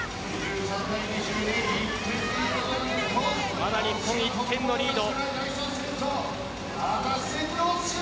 まだ日本、１点のリード。